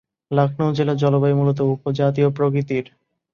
লখনউ জেলার জলবায়ু মূলত উপজাতীয় প্রকৃতির।